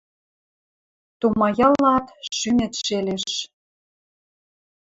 Тумаялат — шӱмет шелеш